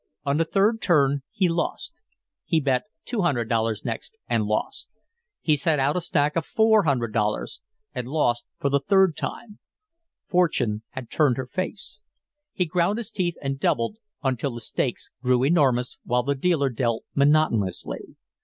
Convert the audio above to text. On the third turn he lost. He bet $200 next and lost. He set out a stack of $400 and lost for the third time. Fortune had turned her face. He ground his teeth and doubled until the stakes grew enormous, while the dealer dealt monotonously.